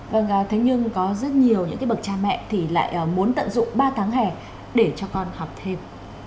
vâng thế nhưng có rất nhiều những bậc cha mẹ thì lại muốn tận dụng ba tháng hè để cho con học thêm